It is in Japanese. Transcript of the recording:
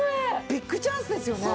ビッグチャンスですよね。